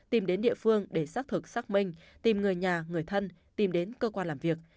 tìm đến địa phương để xác thực xác minh tìm người nhà người thân tìm đến cơ quan làm việc